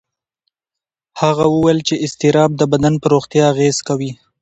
هغه وویل چې اضطراب د بدن پر روغتیا اغېز کوي.